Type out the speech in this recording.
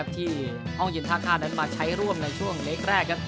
ที่อ้องหยินทะคาดันมาใช้ร่วมในช่วงเล็ก